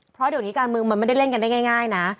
เพราะเดี๋ยวนี้การเมืองมันไม่ได้เล่นกันได้ง่ายนะ